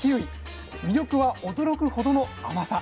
魅力は驚くほどの甘さ。